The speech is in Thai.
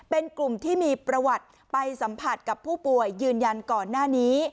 เป็นกลุ่มที่มีประวัติไปสัมผัสกับผู้ป่วยยืนยันก่อนหน้านี้